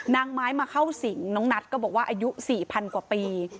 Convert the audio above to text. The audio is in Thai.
นางไม้มาเข้าสิงน้องนัทก็บอกว่าอายุ๔๐๐กว่าปี